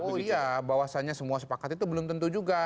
oh iya bahwasannya semua sepakat itu belum tentu juga